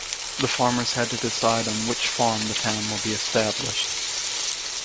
The farmers had to decide on which farm the town will be established.